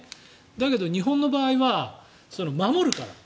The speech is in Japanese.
だけど日本の場合は守るから。